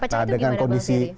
nah dengan kondisi